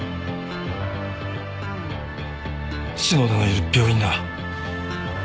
篠田のいる病院だ。